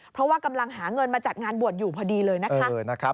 เพราะว่ากำลังหาเงินมาจัดงานบวชอยู่พอดีเลยนะคะ